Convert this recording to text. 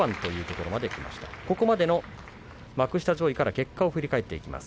ここまでの幕下上位から結果を振り返っていきます。